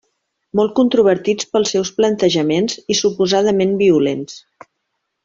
Molt controvertits pels seus plantejaments i suposadament violents.